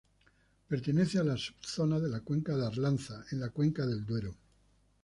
Pertenece a la subzona de la cuenca del Arlanza, en la cuenca del Duero.